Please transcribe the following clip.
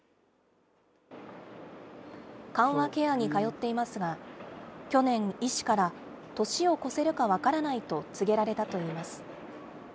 緩和ケアに通っていますが、去年、医師から年を越せるか分からないと告げられたといいます。